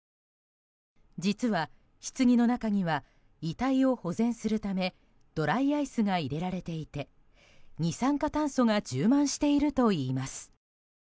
実は、ひつぎの中には遺体を保全するためドライアイスが入れられていて二酸化炭素が充満しているといいます。